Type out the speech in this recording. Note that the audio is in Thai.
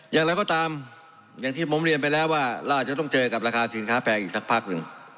อย่างไรก็ตามอย่างที่ผมเรียนไปแล้วว่าเราอาจจะต้องเจอกับราคาสินค้าแพงอีกสักพักหนึ่ง